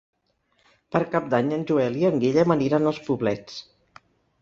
Per Cap d'Any en Joel i en Guillem aniran als Poblets.